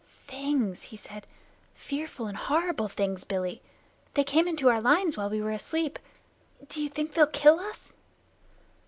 "Things!" he said. "Fearful and horrible, Billy! They came into our lines while we were asleep. D'you think they'll kill us?"